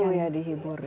ya perlu ya dihibur ya